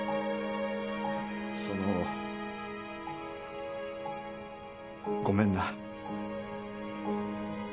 ・そのごめんな。